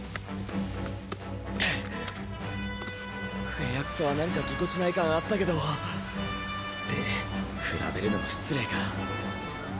「フェアクソ」はなんかぎこちない感あったけどって比べるのも失礼か。